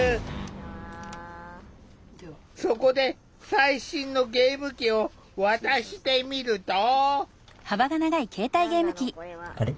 そこで最新のゲーム機を渡してみると。